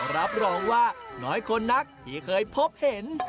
รับรองว่าน้อยคนนักที่เคยพบเห็น